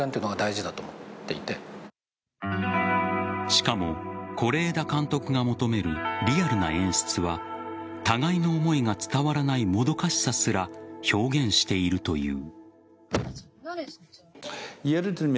しかも、是枝監督が求めるリアルな演出は互いの思いが伝わらないもどかしさすら表現しているという。